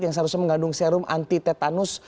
yang seharusnya mengandung serum anti tetanus